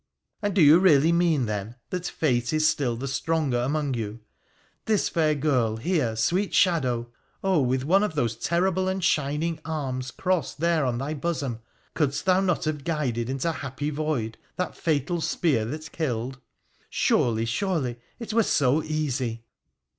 ' And do you really mean, then, that fate is still the stronger among you ?— this fair girl, here, sweet shadow ! Oh ! with one of those terrible and shining arms crossed there on thy bosom, cculdst thou not have guided into happy void that fatal spear that killed ? Surely, surely, it were so easy